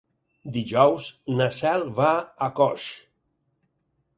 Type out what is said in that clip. Dijous na Cel va a Coix.